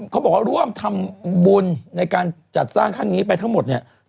เขาบอกว่าร่วมทำบุญในการจัดสร้างครั้งนี้ไปทั้งหมดเนี่ย